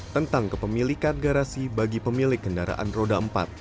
tentang kepemilikan garasi bagi pemilik kendaraan roda empat